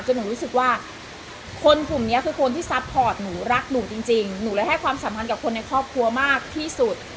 หนูรู้สึกว่าคนกลุ่มนี้คือคนที่ซัพพอร์ตหนูรักหนูจริงหนูเลยให้ความสัมพันธ์กับคนในครอบครัวมากที่สุด